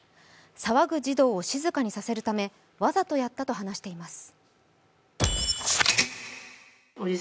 騒ぐ児童を静かにさせるため、わざとやったと話しています。